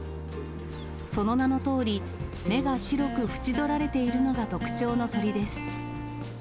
その名のとおり、目が白く縁どられているのが特徴の鳥です。